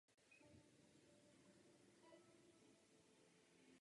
Své první filmové role dostal koncem čtyřicátých let.